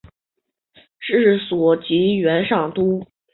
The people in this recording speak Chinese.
治所即元上都。